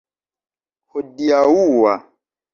hodiaŭa